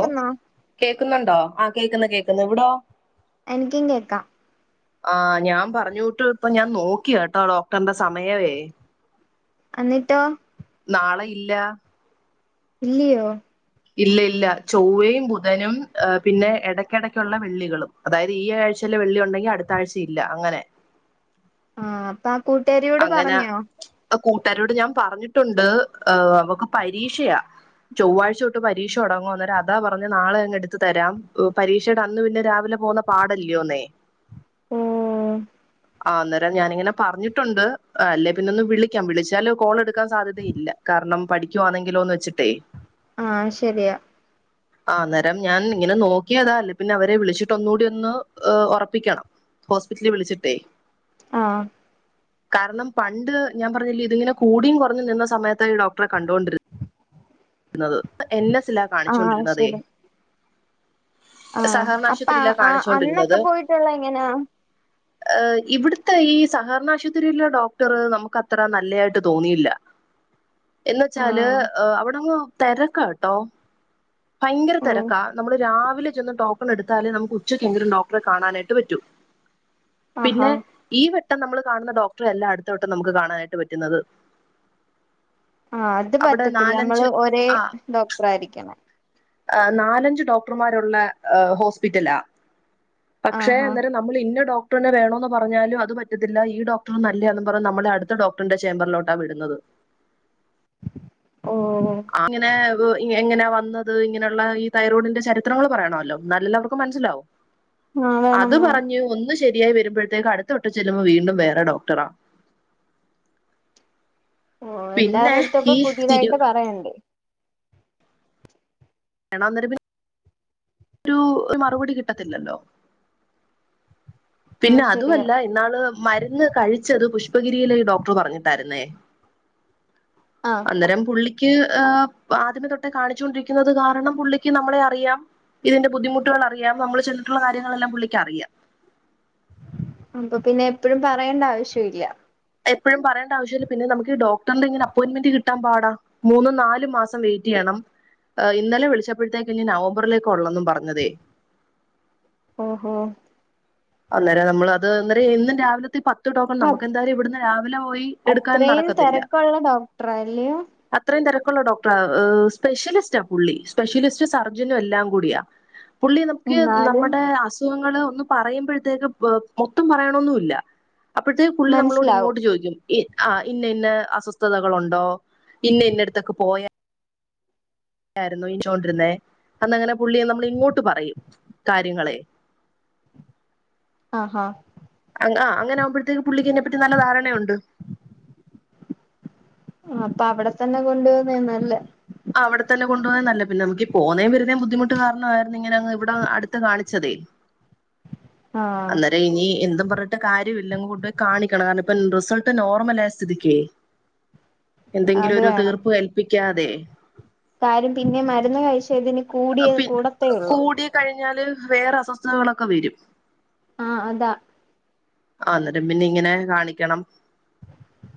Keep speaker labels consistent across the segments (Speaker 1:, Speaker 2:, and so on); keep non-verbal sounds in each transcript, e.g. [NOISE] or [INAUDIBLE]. Speaker 1: ഓ കേൾക്കുന്നുണ്ടോ ആ കേക്കുന്നു കേൾക്കുന്നു ഇവിടോ
Speaker 2: എനിക്കും കേൾക്കാം
Speaker 1: ആഹ് ഞാൻ പറഞ്ഞോട്ട് ഇപ്പ ഞാൻ നോക്കി കേട്ടോ ഡോക്ടറിന്റെ സമയവേ ഉം
Speaker 2: എന്നിട്ടോ?
Speaker 1: നാളെ ഇല്ല
Speaker 2: ഇല്ലിയോ?
Speaker 1: ഇല്ല ഇല്ല ചൊവ്വയും ബുധനും പിന്നെ ഇടയ്ക്കിടയ്ക്കുള്ള വെള്ളികളും അതായത് ഈ ആഴ്ചയില് വെള്ളി ഉണ്ടെങ്കി അടുത്ത ആഴ്ച ഇല്ല അങ്ങനെ
Speaker 2: ആഹ് അപ്പൊ ആ കൂട്ടുകാരിയോട് പറഞ്ഞോ
Speaker 1: ആഹ് കൂട്ട്കാരിയോട് ഞാൻ പറഞ്ഞിട്ടുണ്ട് ഹ അവക്ക് പരീക്ഷയാ ചൊവ്വാഴ്ച തൊട്ട് പരീക്ഷ തുടങ്ങും അന്നേരം അതാ പറഞ്ഞ നാളെങ് എടുത്ത് തരാം പരീക്ഷയുടെ അന്ന് പിന്നെ രാവിലെ പോന്ന- പാടല്ലയോന്നേ
Speaker 2: ഉം
Speaker 1: ആഹ് അന്നേരം ഞാനിങ്ങനെ പറഞ്ഞി ണ്ട് അല്ല പിന്നെ ഒന്ന് വിളിക്കാം വിളിച്ചാല് കോൾ എടുക്കാൻ സാധ്യതയില്ല കാരണം പഠിക്കു ആണെങ്കിലോന്ന് വെച്ചിട്ടേ- [INAUDIBLE]
Speaker 2: ആഹ് ശരിയാ
Speaker 1: ഉം ആഹ് അന്നേരം ഞാൻ ഇങ്ങനെ നോക്കിയതാ അല്ല പിന്നെ അവരെ വിളിച്ചിട്ട് ഒന്നുകൂടി ഒന്ന് ഉറപ്പിക്കണം. ഹോസ്പിറ്റലിൽ വിളിച്ചിട്ടേ
Speaker 2: ആഹ്
Speaker 1: കാരണം പണ്ട് ഞാൻ പറഞ്ഞില്ലേ ഇതിങ്ങനെ കൂടി കുറഞ് നിന്ന സമയത്ത് ഈ ഡോക്ടറെ കണ്ടുകൊണ്ടിരു ന്നത് എൻ എസിലാ
Speaker 2: ആ
Speaker 1: കാണിച്ചോണ്ടിരുന്നത്
Speaker 2: ശരി ആ അപ്പ
Speaker 1: സഹകരണാശുപത്രിലാ
Speaker 2: ആ
Speaker 1: കാണിച്ചോണ്ടിരുന്നത്
Speaker 2: അന്നൊക്കെ പോയിട്ടുള്ള എങ്ങനാ
Speaker 1: എഹ് ഇവിടുത്തെ ഈ സഹകരണാശുപത്രിയിലെ ഡോക്ടർ നമുക്ക് അത്ര നല്ലതായിട്ട് തോന്നിയില്ല. എന്ന്
Speaker 2: ആ
Speaker 1: വെച്ചാല് എഹ് അവിടെങ് തിരക്കട്ടോ ഭയങ്കര
Speaker 2: ഓ
Speaker 1: തെരക്കാ നമ്മള് രാവിലെ ചെന്ന് ടോക്കൺ എടുത്താലേ നമുക്ക് ഉച്ചക്കെങ്കിലും ഡോക്ടറെ കാണാനായിട്ട് പറ്റൂ
Speaker 2: ആഹാ
Speaker 1: പിന്നെ ഈ വട്ടം നമ്മൾ കാണുന്ന ഡോക്ടറെയല്ല അടുത്തവട്ടം നമുക്ക് കാണാനായിട്ട് പറ്റുന്നത്
Speaker 2: ആഹ് അത്
Speaker 1: അവിടെ
Speaker 2: പറ്റത്തില്ല
Speaker 1: നാലഞ്ച്
Speaker 2: നമ്മള് ഒരേ ഡോക്ടറായിരിക്കണം
Speaker 1: ആഹ് നാലഞ്ച് ഡോക്ടർമാരുള്ള ആഹ് ഹോസ്പിറ്റലാ പക്ഷെ
Speaker 2: ആഹാ
Speaker 1: അന്നേരം നമ്മൾ ഇന്ന ഡോക്ടറെനെ വേണോന്ന് പറഞ്ഞാലും അത് പറ്റത്തില്ല ഈ ഡോക്ടർ നല്ലായാന്നും പറഞ്ഞ് നമ്മളെ അടുത്ത ഡോക് [UNINTELLIGIBLE] ചേമ്പറിലോട്ടാ വിടുന്നത്
Speaker 2: ഓഹ് ഓഹ്
Speaker 1: ഇങ്ങനെ വ് എങ്ങനെ വന്നത് ഇങ്ങനെയുള്ള ഈ തൈറോഡിന്റെ ചരിത്രങ്ങൾ പറയണവല്ലോ ഇന്നാലല്ലെ അവർക്ക് മനസ്സിലാവു
Speaker 2: ആ വേണം
Speaker 1: അത്
Speaker 2: വേണം
Speaker 1: പറഞ്ഞ് ഒന്ന് ശരിയായി വരുമ്പഴത്തേക്ക് അടുത്തവട്ടം ചെല്ലുമ്പോ വീണ്ടും വേറെ ഡോക്ടറാ
Speaker 2: ഓഹ്
Speaker 1: പിന്നെ
Speaker 2: എല്ലാരെടുത്തും അപ്പൊ
Speaker 1: ഈ തിരു
Speaker 2: പുതിയതായിട്ട് പറയണ്ട്
Speaker 1: വേണം അന്നേരം പിന്നെ ഒരു മറുപടി കിട്ടത്തില്ലല്ലോ
Speaker 2: ആ
Speaker 1: പിന്നെ
Speaker 2: ശരിയാ
Speaker 1: അതുവല്ല ഇന്നാള് മരുന്ന് കഴിച്ചത് പുഷ്പഗിരിയിലെ ഡോക്ടർ പറഞ്ഞിട്ടായിരുന്നേ
Speaker 2: ആഹ്
Speaker 1: അന്നരം പുള്ളിക്ക് ആഹ് ആദ്യമേ തൊട്ടേ കാണിച്ചൊണ്ടിരിക്കുന്നത് കാരണം പുള്ളിക്ക് നമ്മളെ അറിയാം ഇതിന്റെ ബുദ്ധിമുട്ടുകളറിയാം നമ്മൾ ചെന്നിട്ടുള്ള കാര്യങ്ങളെല്ലാം പുള്ളിക്കറിയാം
Speaker 2: അപ്പൊ പിന്നെ എപ്പഴും പറയേണ്ട ആവശ്യവില്ല
Speaker 1: എപ്പഴും പറയേണ്ട ആവശ്യല്ല പിന്നെ നമുക്ക് ഈ ഡോക്ടറിന്റെ ഇങ്ങനെ അപ്പോയിമെൻ്റ് കിട്ടാൻ പാടാ മൂന്നും നാലു മാസം വെയിറ്റെയ്യണം ഏഹ് ഇന്നലെ വിളിച്ചപ്പഴത്തേക്ക് ഇനി നവംബറിലേക്ക് ഒള്ളെന്നും പറഞ്ഞതേ
Speaker 2: ഓഹോ
Speaker 1: അന്നേരം നമ്മളത് അന്നേരം എന്നും രാവിലത്തെ പത് ത്ത് ടോക്കൺ നമുക്കെന്തായാലും ഇവിടുന്ന് രാവിലെ പോയി എടുക്കാൻ
Speaker 2: അത്രയും
Speaker 1: നടക്കത്തില്ല
Speaker 2: തിരക്കുള്ള ഡോക്ടറല്ലയോ
Speaker 1: അത്രയും തെരക്കുള്ള ഡോക്റാ ഏഹ് സ്പെഷ്യലിസ്റ്റാ പുള്ളി സ്പെഷ്യലിസ്റ്റ് സർജനും എല്ലാം കൂടിയാ പുള്ളി നമുക്ക്
Speaker 2: എന്നാലും
Speaker 1: നമ്മടെ അസുഖങ്ങള് ഒന്ന് പറയു മ്പേഴ്ത്തേക്ക് മൊത്തം പറയണൊന്നുല്ല അപ്പഴത്തേക്ക് പുള്ളി നമ്മളോട്
Speaker 2: മനസ്സിലാവും
Speaker 1: ഇങ്ങോട്ട് ചോദിക്കും ഈ ആഹ് ഇന്ന ഇന്ന അസ്വസ്ഥതകളുണ്ടോ ഇന്ന ഇന്നടുത്തൊക്കെ പോയാ യായിരുന്നു [UNINTELLIGIBLE] അന്നങ്ങനെ പുള്ളിയ നമ്മളിങ്ങോട്ട് പറയും കാര്യങ്ങളെ
Speaker 2: ആഹ് ആഹ്
Speaker 1: ആഹ് അങ്ങനെ ആകുമ്പഴത്തേക്ക് പുള്ളിക്കിതിനെപ്പറ്റി നല്ല ധാരണയുണ്ട്
Speaker 2: ആഹ് അപ്പൊ അവിടെ തന്നെ കൊണ്ടു പോന്നയാ നല്ലെ
Speaker 1: ആഹ് അവിടെതന്നെ കൊണ്ടു പോവാ നല്ലെ പിന്നെ നമുക്കി പോന്നെയും വെരുന്നെയും ബുദ്ധിമുട്ട് കാരണായിരുന്നു ഇങ്ങനെങ്ങ് ഇവിടെ അടുത്ത് കാണിച്ചതേ
Speaker 2: ആഹ്
Speaker 1: അന്നേരം ഇനി എന്തും പറഞ്ഞിട്ട് കാര്യവുല്ല അങ്ങ് കൊണ്ടുപോയി കാണിക്കണം കാരണം ഇപ്പം റിസൾട്ട് നോർമലായ സ്ഥിതിക്കെ എന്തെങ്കിലും
Speaker 2: അത്
Speaker 1: ഒരു
Speaker 2: വേണം
Speaker 1: തീർപ്പ് കൽപ്പിക്കാതെ
Speaker 2: കാര്യം പിന്നേം മരുന്ന് കഴിച്ചാ ഇതി നി കൂടിയാ
Speaker 1: പി
Speaker 2: കൂടത്തേ ഉള്ളൂ
Speaker 1: കൂടി കഴിഞ്ഞാല് വേറെ അസ്വസ്ഥതകളൊക്കെ വെരും
Speaker 2: ആഹ് അതാ
Speaker 1: അന്നേരം പിന്നെ ഇങ്ങനെ കാണിക്കണം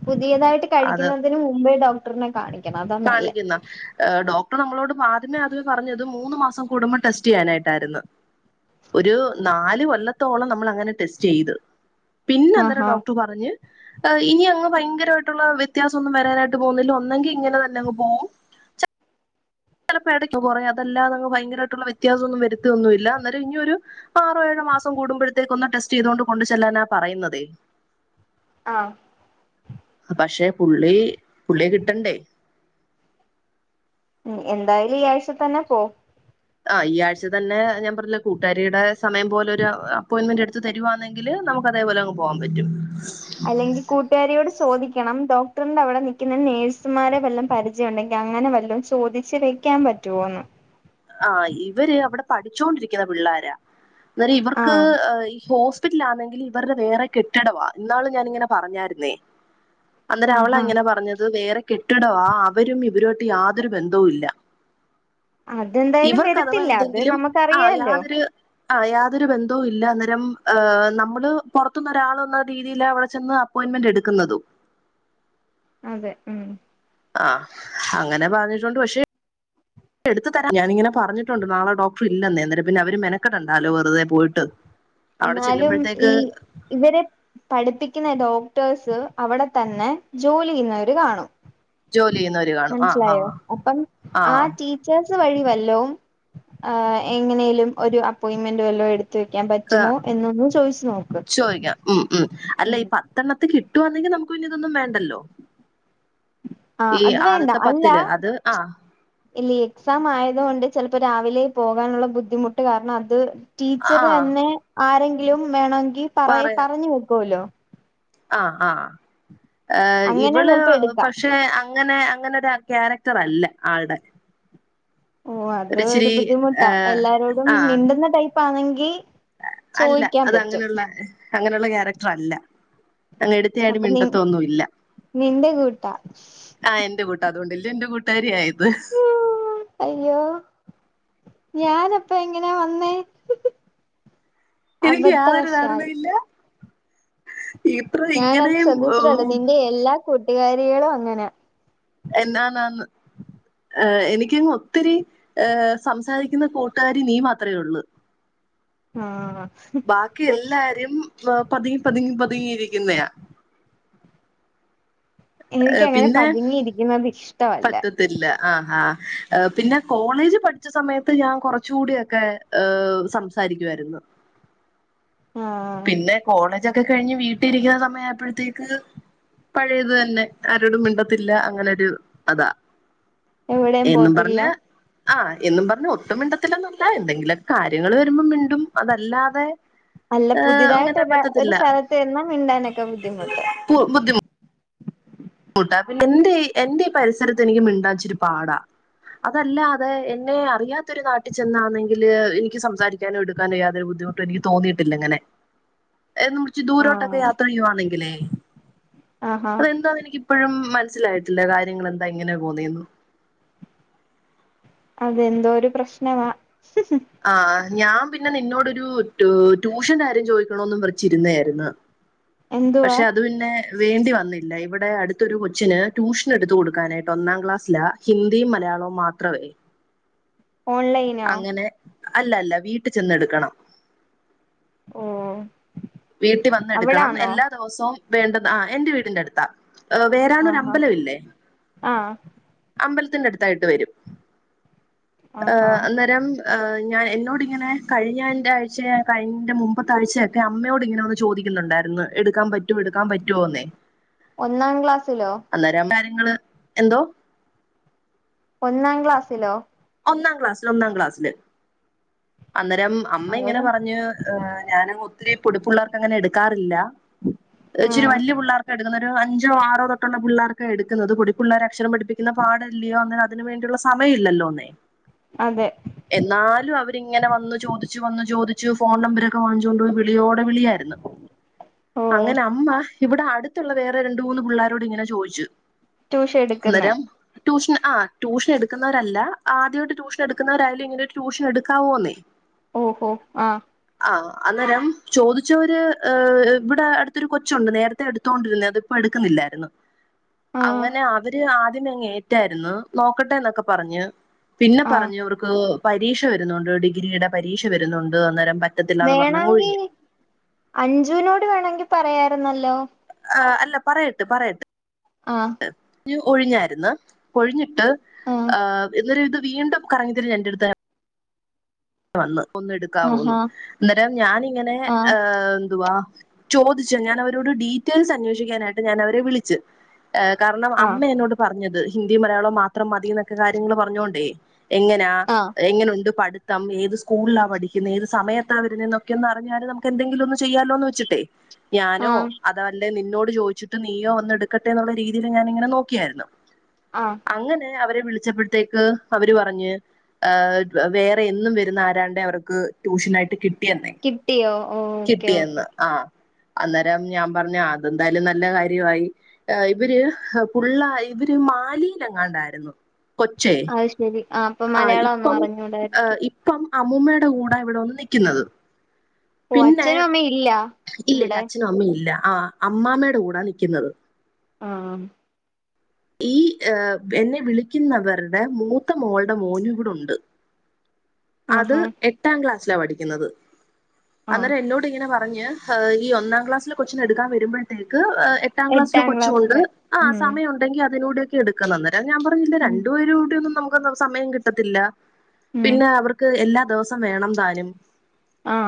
Speaker 2: പുതിയതായിട്ട് കഴിക്കുന്നതിന് മുമ്പേ ഡോക്ടറിനെ കാണി
Speaker 1: കാണിക്കുന്നാ ഏഹ് ഡോക്ടർ നമ്മളോട് ആദ്യമേ ആദ്യവേ പറഞ്ഞെ ഇത് മൂന്ന് മാസം കൂടുമ്പോൾ ടെസ്റ്റേയ്യാനായിട്ടായിരുന്നു ഒരു നാല് കൊല്ലത്തോളം നമ്മൾ അങ്ങനെ ടെസ്റ്റെയ്ത് പിന്നെ അന്നേരം
Speaker 2: ആഹാ
Speaker 1: ഡോക്ടർ പറ റഞ്ഞ് ഇനി അങ്ങ് ഭയങ്കരവായിട്ടുള്ള വ്യത്യാസൊന്നും വരാനായിട്ട് പോന്നില്ല ഒന്നെങ്കി ഇങ്ങനെ ത ലങ്ങ് പോവും ചിലപ്പോ ഇടക്ക് കുറേ അതല്ലാതങ്ങ് ഭയങ്കരായിട്ടുള്ള വ്യത്യാസൊന്നും വരുത്തൊന്നുല്ല അന്നേരം ഇനിയോരു ആറോ ഏഴോ മാസം കൂടുമ്പോഴതെക്ക് ഒന്ന് ടെസ്റ്റെയ്തോണ്ട് കൊണ്ട് ചെല്ലാനാ പറയുന്നതേ
Speaker 2: ആഹ്
Speaker 1: പക്ഷെ പുള്ളി പുള്ളിയെ കിട്ടണ്ടേ
Speaker 2: ഉ എന്തായാലും ഈ ആഴ്ച തന്നെ പോ
Speaker 1: ആഹ് ഈ ആഴ്ച തന്നെ ഞാൻ പറഞ്ഞില്ലേ കൂട്ടുകാരിയുടെ സമയം പോലെ ഒരു അപ്പോയിന്റ്മെന്റ് എടു തരുവാന്നെങ്കില് നമുക്ക് അതേപോലെങ്ങ് പോകാൻ പറ്റും
Speaker 2: അല്ലെങ്കിൽ കൂട്ട കക്കരിയോട് ചോദിക്കണം ഡോക്ടറിന്റെ അവിടെ നിൽക്കുന്ന നേഴ്സുമാരെ വല്ലും പരിചയ ഉണ്ടെങ്കിൽ അങ്ങനെ വല്ലോ ചോദി വ വെക്കാൻ പറ്റുവോന്ന്
Speaker 1: ആ ഇവര് അവിടെ പഠിച്ചോണ്ടിരിക്കുന്ന പിള്ളോര അം
Speaker 2: ആഹ്
Speaker 1: ഇവർക്ക്ഈ ഹസ്പിറ്റിലാെങ്കിൽ ഇവരുടെ വേറെ കെട്ടിടവാ എന്നാള ഞാനിങ്ങനെ പറഞ്ഞായിരുന്നേ അന്നേരം അവള
Speaker 2: ആഹാ
Speaker 1: അങ്ങനെ പറഞ്ഞത് വേറെ കെട്ടിടവാ അവരും ഇവരോട്ട് യാതൊരു ബന്ധവും ഇല്ല
Speaker 2: അതെന്തായാലും
Speaker 1: ഇവർക്ക് അഥവാ
Speaker 2: വരത്തില്ല അത്
Speaker 1: എന്തെങ്കിലും ആ
Speaker 2: നമുക്കറിയാലോ
Speaker 1: യാതൊരു ആ യാതൊരു ബന്ധവും ഇല്ല അന്നേരം നമ്മള് പുറത്തുനി ഒരാൾന്ന രീതിയിൽ അവിടെ ചെന്ന് അപ്പോയിൻമെന്റ് എടുക്കതോ
Speaker 2: അതെ ഉം
Speaker 1: ആഹ അങ്ങനെ പറഞ്ഞിട്ടുണ്ട് പക്ഷെ എടുത്ത തരാൻ ഞാനങ്ങനെ പറഞ്ഞിട്ടുണ്ട് നാളെ ഡോക്ടർ ഇല്ലെന്നേ പിന്നെ അവര് മെനെകടണ്ടാലോ പോയി്ട്ട് അവിടെ
Speaker 2: എന്നാലും
Speaker 1: ചെല്ലുമ്പോഴത്തേക്ക്
Speaker 2: ഈ ഇവരെ പഠിപ്പിക്കുന്ന ഡോക്ടേഴസ് അവിടെ തന്നെ ജോലി ചെയ്യുന്നവര് കാണും
Speaker 1: ജോലി ചെയ്യുന്ന
Speaker 2: മനസ്സിലായോ അപ്പം ആ ടീ ടിച്ചേഴ് വഴി വല്ല എങ്ങനെേലും ഒരു അപ്പോയിൻറ്മെന്റ് വല്ലോ എടു എടുത്ത് വക്കാൻ പറ്റുമോ എന്നൊന്ന് ചോദിച്ച് നോക്ക്
Speaker 1: ചോദിക്കാം ഉം ഉം അല്ല
Speaker 2: ഉം
Speaker 1: ഈ പത്തെണ്ണത്തിന് കിട്ടുവാന്നെങ്കിൽ നമുക്ക് പിന്നെ ഇതൊന്നും വേണ്ടല്ലോ
Speaker 2: ആഹ്
Speaker 1: ഈ
Speaker 2: അത് വേണ്ട
Speaker 1: ആദ്യത്തെ
Speaker 2: അല്ല
Speaker 1: പത്തില്ല് അത് ആ
Speaker 2: ഇല്ല എക്സാം ആയതു കൊണ്ട് ചിലപ്പോ രാവിലെ പോകാനുള്ള ബുദ്ധിമുട്ട് കാരണം അത് ടീച്ചർ
Speaker 1: ആഹ്
Speaker 2: എന്നെ ആരെങ്കിലും വേണമെങ്കിൽ പറ
Speaker 1: പറയാ
Speaker 2: പറഞ്ഞു വെക്കുമല്ലോ
Speaker 1: ആഹ് ആഹ
Speaker 2: അങ്ങനെ
Speaker 1: ഇവള്
Speaker 2: ചെലപ്പോ എടുക്കാം
Speaker 1: പക്ഷെ അങ്ങനെ അങ്ങനെ ഒരു ക്യാരക്ടർ അല്ല ആളുടെ
Speaker 2: ഓ അത് ഒരു ബുദ്ധിമുട്ടാ
Speaker 1: ഏഹ്
Speaker 2: എല്ലാരോടും
Speaker 1: ആഹ്
Speaker 2: മിണ്ടുന്ന ടൈപ്പാണെങ്കിൽ
Speaker 1: അല്ല അത് അങ്ങനെയുള്ള അങ്ങനെയുള്ള ക്യാരക്ടർ അല്ല അങ് എടുത്തയടി
Speaker 2: അപ്പൊ നി
Speaker 1: മിണ്ടത്തൊന്നും ഇല്ല
Speaker 2: നിന്റെ കൂട്ടാ
Speaker 1: ആഹ് എന്റെ കൂട്ട അതുകൊണ്ടല്ലേ എന്റെ കൂട്ടുകാരി ആയത്
Speaker 2: അയ്യോ ഞാൻ അപ്പ എങ്ങനാ വന്നേ
Speaker 1: എനിക്ക്
Speaker 2: അഭധ
Speaker 1: യാതൊരു
Speaker 2: വർഷ അത്
Speaker 1: ധാരണയില്ല ഇത്ര
Speaker 2: ഞാന അത്
Speaker 1: ഇങ്ങനെയും
Speaker 2: ശ്രദ്ധിച്ചിട്ടുണ്ട് നിന്റെ എല്ലാ കൂട്ടുകാരികളും അങ്ങനെ
Speaker 1: എന്നന്ത ന എനിക്കങ്ങ് ഒത്തിരി ഏഹ സംസാരിക്കുന്ന കൂട്ടുകാരി നീ മാത്രമേ ഉള്ളൂ
Speaker 2: ആഹ
Speaker 1: ബാക്കി എല്ലാരും പതുങ്ങി പതുങ്ങി പതുങ്ങിയിരിക്കുന്നയാ
Speaker 2: എനക്ക് അങ്ങനെ പതുങ്ങിയിരിക്കുന്നത് ഇഷ്ടമല്ല
Speaker 1: ല്ല ആഹാ പിന്നെ കോളേജ് പഠിച്ച സമയത്ത് ഞാൻ കുറച്ച കൂടിയൊക്കെ ഏഹ് സംസാരിക്കുായിരുന്നു
Speaker 2: ആഹ്
Speaker 1: പിന്നെ കോളേജൊക്കെ കഴിഞ്ഞ് വീട്ടിലിരിക്കുന്ന സമയ ആയപ്പോഴത്തേക്ക് പഴയത് തന്നെ ആരോടും മിണ്ടത്തില്ല അങ്ങനെരു അതാ
Speaker 2: എവിടെയും
Speaker 1: എന്നും പറഞ്ഞ
Speaker 2: പോത്തില്ല
Speaker 1: ആഹ എന്നും പറഞ്ഞഞ് ഒട്ടുംമിണ്ടത്തില്ലന്നല്ല എന്തെങ്കിലുമൊക്കെ കാര്യങ്ങൾ വരുമ്പോ മിണ്ടും അതല്ലാതെ
Speaker 2: അല്ല പുതിയതായിട്ട്
Speaker 1: അങ്ങനെ
Speaker 2: ഒരു
Speaker 1: പറ്റത്തില്ല
Speaker 2: സ്ഥലത്ത് നിന്നും മിണ്ടാനൊക്കെ ബുദ്ധിമുട്ട്
Speaker 1: ബുദ്ധി മിണാൻ പിന്നെ എന്റെ എന്റെ പരിസരത്ത് എനിക്ക് മിണ്ടാച്ചൊരു പാടാ അതല്ല അതെ എന്നെ അറിയാത്തൊരു നാട്ടിൽ ചെന്നാണെങ്കില് എനിക്ക് സംസാരിക്കാനോ എടുക്കാനോ യാതൊരു ബുദ്ധിമുട്ട്..... എനിക്ക് തോന്നിയിട്ടില്ല ഇങ്ങനെ ദൂരോട്ടൊക്കെ
Speaker 2: ആഹ്
Speaker 1: യാത്ര ചെയ്യുവാണെങ്കിലേ
Speaker 2: ആഹാ
Speaker 1: അതെന്താ എനിക്ക് ഇപ്പോഴും മനസ്സിലായിട്ടില്ല കാര്യങ്ങൾ എന്താ എങ്ങനെയ പോന്നിയു
Speaker 2: അതെന്തോ ഒരു പ്രശ്നവാ
Speaker 1: ആഹ് ഞാൻ പിന്നെ നിന്നോടൊരു ട്യൂഷൻ കാര്യം ചോദിക്കണന്ന് വിറിച്ചിരുന്ന ആയിര്ന്ന്
Speaker 2: എന്തുവാ
Speaker 1: പക്ഷെ അത് പിന്നെ വേണ്ടി വന്നില്ല ഇവിടെ അടുത്തൊരു കൊച്ചിന് ട്യൂഷൻ എടുത്ത കൊടുക്കാനായിട്ട് ഒന്നാം ക്ലാസ്സില. ഹിന്ദിയും മലയാളവും മാത്രമേ....
Speaker 2: ഓൺലൈ
Speaker 1: അങ്ങനെ അല്ല അല്ല വീട്ട് ചെന്ന്ടുക്കണം
Speaker 2: ഓ
Speaker 1: വീട്ടിവന്നെടുക്കണം
Speaker 2: അവിടാന്നോ
Speaker 1: എല്ലാ ദിവസവും വേണ്ട ആ എൻറെ വീടിന്റെടുത്താ വേറെണൊരു
Speaker 2: ആഹാ
Speaker 1: അമ്പലം ഇല്ലേ
Speaker 2: ആഹ്
Speaker 1: അമ്പലത്തിന്റെ അടുത്തായിട്ട് വരും ആ്
Speaker 2: ആഹാ
Speaker 1: അന്നേരം. ഞാൻ എന്നോട് ഇങ്ങനെ കഴിഞ്ഞ എൻ്റെ ആഴ്ച കഴിഞ്ഞന്റെ മുമ്പത്താഴ്ചയൊക്കെ അമ്മയോട് ഇങ്ങനെ ഒന്ന് ചോദിക്കുന്നുണ്ടായിരുന്നു..... എന്ന് എടുക്കാൻ പറ്റുവ എടുക്കാൻ പറ്റുവോന്നേ.
Speaker 2: ഒന്നാം ക്ലാസ്സിലോ.
Speaker 1: അന്നേരം കാര്യങ്ങള് എന്തോ.
Speaker 2: ഒന്നാം ക്ലാസ്സിലോ.
Speaker 1: ഒന്നാം ക്ലാസ്ല് ഒന്നാം ക്ലാസ്സില് അന്നേരം അമ്മ ഇങ്ങനെ
Speaker 2: അവിടെ
Speaker 1: പറഞ്ഞു ഞാന ഒത്തിരി പൊടിപ്പള്ളവർക്ക് അങ്ങനെ എടുക്കാറില്ല. ഇച്ചിരി
Speaker 2: ആഹ്
Speaker 1: വല്യ പിള്ളേർക്ക അഞ്ചോ ആറോ തൊട്ടുള്ള പിള്ളേർക്ക എടുക്കുന്നത് കൊടി പിള്ളേരെ അക്ഷരം പഠിപ്പിക്കുന്ന പാടല്ലയോ അതിന് വേണ്ടിയുള്ള സമയം ഇല്ലല്ലോന്നേ.
Speaker 2: അതെ.
Speaker 1: എന്നാലും അവര് ഇങ്ങനെ വന്നന്ന് ചോദിച്ചു വന്ന്ു ചോദിച്ചു ഫോൺ നമ്പരൊക്കെ വാങ്ങിച്ചുകോണ്ട് വിളിയോടെ വിളിയായിരുന്നു
Speaker 2: ഓ
Speaker 1: അങ്ങനെ അമ്മ ഇവിടെ അടുത്തുള്ള വേറെ രണ്ട മൂന്ന് പിള്ളാരോട് ഇങ്ങനെ ചോയ്ച്ചു
Speaker 2: ട്യൂഷൻ എടുക്കുന്നെ
Speaker 1: അന്നരം ട്യൂഷൻ ആ ്യൂഷ എടുക്കുന്നവരല്ല ആദ്യമായിട്ട് ട്യൂഷൻ എടുക്കുന്നരായാലും ഇങ്ങനെ ട്യൂഷൻ എട് ക്കാവൊന്നെ
Speaker 2: ഓഹോ ആഹ്
Speaker 1: ആഹ അന്നേരം ചോദിച്ചവര് ഇവിടെ അടുത്തൊരു കൊച്ചുണ്ട് നേരത്തെ എടുത്തോണ്ടിരുന്ന അത്. എടുക്കുന്നില്ലായിരുന്നു
Speaker 2: ആഹ്
Speaker 1: അങ്ങനെ അവര് ആദ്യം ങ്ങ ഏറ്റായിരുന്നു നോക്കട്ടെ എന്നൊക്കെ പർഞ്ഞ് പിന്നെ
Speaker 2: ആഹ്
Speaker 1: പറഞ്ഞ അവർക്ക് പരീക്ഷ വരുന്നുണ്ട് ഡിഗ്രിയുടെ പരീക്ഷ വരുന്നുണ്ട് അന്നേരം പറ്റത്തില്ലാന്ന് പറഞ്ഞങ്ങൊഴിഞ്
Speaker 2: അഞ്ചുവിനോട് വേണമെങ്കിൽ പറയാരുന്നല്ലോ
Speaker 1: ആ് അല്ല പറയട്ടെ പറയട്ടെ.
Speaker 2: ആഹ്
Speaker 1: ഒഴിഞ്ഞായിന്ന് ഒഴിഞ്ഞിട്ട്
Speaker 2: ആഹ്
Speaker 1: ആ എന്നരു ഇത് വീണ്ടും കറങ്ങ രഞന്റെ അടുത്ത. വന്ന് ഒന്ന എടുക്കാവുന്നു
Speaker 2: ആഹാ
Speaker 1: അന്നേരം ഞാനിങ്ങനെ
Speaker 2: ആഹ്
Speaker 1: ഏ എന്തുവാ. ചോദിച്ചു ഞാൻ അവരോട് ഡീറ്റെയിൽസ് അന്വേഷിക്കാനായിട്ട് ഞൻ അവരെ വിളിച്ച് കാരണം അമ്മ
Speaker 2: ആഹ്
Speaker 1: എന്നോട് പറഞ്ഞത് ഹിന്ദി മലയാളം മാത്രം മതി എന്നൊക്കെ കാര്യങ്ങൾ പറഞ്ഞോണ്ടേ. എങ്ങനാ
Speaker 2: ആഹ്
Speaker 1: എങ്ങനെണ്ട് പഠ ത ഏത് സ്കൂളിലാ പഠിക്കുന്നത് ഏത് സമയത്താ വരുന്നതൊക്കെ ഒന്ന് അറിഞ്ഞല് നമക്ക് എന്തെങ്കിലും ഒന്ന ചെയ്യാലോന്ന് വെച്ചി..... ഞാനോ
Speaker 2: ആഹ്
Speaker 1: അതല്ലേ നിന്നോട് ചോദിച്ചിട്ട നീയോ ഒന്ന എടുക്കട്ടെ എന്നുള്ള രീതിൽ ഞാന ഇങ്ങനെ നോക്കിയായിരുന്നു.
Speaker 2: ആഹ്
Speaker 1: അങ്ങനെ അവരെ വിളിച്ചപ്പോഴത്തേക്ക് അവര് പറഞ് വേ എന്നും വരുന്ന ആരാണ്ട് അവർക്ക് ട്യൂഷനായിട്ട് കി കിട്ടന്നെ
Speaker 2: കിട്ടിയോ ഓക്കെ ഓക്കെ
Speaker 1: കിട്ടിയന്ന് ആ അന്നേരം ഞാൻ പറഞ്ഞു അതെന്തായാലും നല്ല കാര്യമായി ഇവര് പുള്ള ഇവര് മാലിയിലെങ്ങാണ്ടായിരുന്നു കൊച്ചേ
Speaker 2: അയ് ശെരി ആഹ് അപ്പൊ
Speaker 1: ആ
Speaker 2: മലയാളം ഒന്ന്
Speaker 1: ഇപ്പം
Speaker 2: അറിഞ്ഞൂടാ
Speaker 1: ഇപ്പം അമ്മൂമ്മയുടെ കൂടെ ഇവിടെ ഒന്നിക്കുന്നത്.
Speaker 2: ഓ
Speaker 1: പിന്നെ
Speaker 2: അച്ഛനും അമ്മയും ഇല്ല
Speaker 1: ഇല്ല ഇല്ല
Speaker 2: ഇവിടെ
Speaker 1: അച്ഛനും അമ്മ ഇല്ല ആഹ് അമ്മാമ്മയുടെ കൂടാ നിക്കുന്നത്
Speaker 2: ആഹ്
Speaker 1: ഈ ഏഹ് എന്നെ വിളിക്കുന്നവരുടെ മൂത്ത മോളുടെ മോനു വ്ടുണ്ട് അത്
Speaker 2: ആഹാ
Speaker 1: എട്ടാം ക്ലാസ്സിലാ പഠിക്കുന്നത്
Speaker 2: ആഹ്
Speaker 1: അന്നേരം എന്നോട് ഇങ്ങനെ പ പഞാ ഹായ് ഈ ഒന്നാം ക്ലാസ് ലെ കൊച്നെ എടുക്കാ വരുമ്പഴത്തേക്ക് എട്ടാം ക്ലാസ്ൽ കൊച്ചുണ്ട്
Speaker 2: ക്ലാസ്സില്
Speaker 1: ആഹ്
Speaker 2: ഉം
Speaker 1: സമയോ ണ്ടെങ്കി അതിനൂടെ ഒക്കെ എടുക്കണം അന്നേരം ഞാൻ പറഞ്ഞില്ല
Speaker 2: ഉം
Speaker 1: രണ്ടുപേരെ കൂടി ഒന്നും നമക്ക് സമയം കിട്ടത്തില്ല
Speaker 2: ഉം
Speaker 1: പിന്നെ അവർക്ക് എല്ലാ ദിവസം വേണം താനും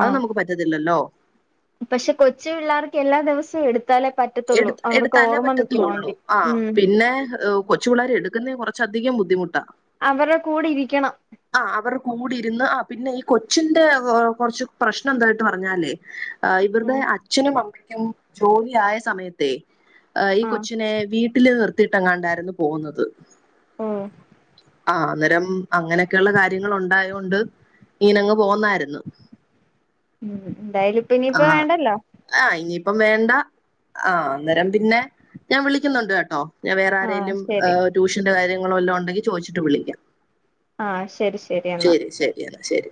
Speaker 1: അത് നമുക്ക് പറ്റത്തില്ലല്ലോ
Speaker 2: പക്ഷെ കൊച്ചു പിള്ളേർക്ക് എല്ലാ ദിവസവും എടു ത്താലെ പറ്റ
Speaker 1: എടു എടുത്താലേ പറ്റത്തൂള്ളൂ ആഹ്
Speaker 2: ഉം
Speaker 1: പിന്നെ ഹു കൊച്ചു പിള്ളേരെ എടുക്കുന്നഹ് കുറച്ച അധികം ബുദ്ധിമുട്ടാ
Speaker 2: അവരെ കൂടെ ഇരിക്കണം
Speaker 1: ആഹ് അവർ കൂടിരുന്ന് ആഹ് പിന്നെ ഈ കൊച്ചിന്റെ കുറച്ച് പ്രശ്നം എന്തായിട്ട് പറഞ്ഞാലേ ആഹ് ഇവരുടെ
Speaker 2: ഉം
Speaker 1: അച്ഛനും അമ്മയ്ക്കും ജോലിയായ സമയത്തെ അഹ് ഈ
Speaker 2: ആഹ്
Speaker 1: കൊച്ചിനെ വീട്ടില് നിർത്തിയിട്ടെങ്ങാണ്ടായിരുന്നു പോകുന്നത്
Speaker 2: ഏഹ്
Speaker 1: ആഹ് അന്നേരം അങ്ങനൊക്കെയള്ള കാര്യങ്ങ ഉണ്ടായൊണ്ട് ഇനങ്ങ് പോന്നായിരുന്നു
Speaker 2: ഉം എന്തായാലും ഇപ്പ ഇനിയിപ്പ വേണ്ടല്ലോ
Speaker 1: ആഹ് ഇനിയിപ്പം വേണ്ട ആഹ് അന്നേരം പിന്നെ ഞാൻ വിളിക്കുന്നുണ്ട് കേട്ടോ വേറെ
Speaker 2: ആഹ്
Speaker 1: ആരേലും
Speaker 2: ശരി
Speaker 1: എഹ് ട്യൂഷന്റെ കാര്യങ്ങളു വല്ലോം ളെല്ലാം ണ്ടെങ്കി ചോയ്ച്ചിട്ട് വിളിക്കാ
Speaker 2: ആഹ് ശരി എന്നാ
Speaker 1: ശരി ശരിയാണ് ശരി